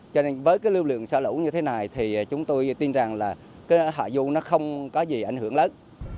cho nên với cái lưu lượng xả lũ như thế này thì chúng tôi tin rằng là cái hạ du nó không có gì ảnh hưởng lớn